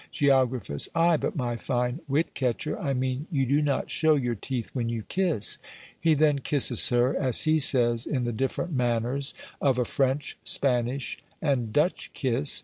Geog. Ay, but my fine wit catcher, I mean you do not show your teeth when you kisse." He then kisses her, as he says, in the different manners of a French, Spanish and Dutch kiss.